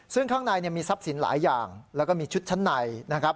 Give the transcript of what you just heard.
ซึ่งข้างในมีทรัพย์สินหลายอย่างแล้วก็มีชุดชั้นในนะครับ